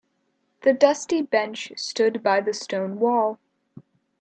The dusty bench stood by the stone wall.